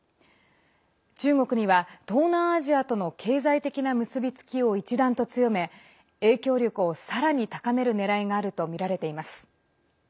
中国には、東南アジアとの経済的な結びつきを一段と強め影響力を、さらに高めるねらいがあるとみられています。